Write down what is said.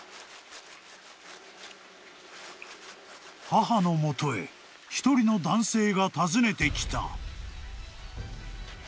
［母の元へ一人の男性が訪ねてきた］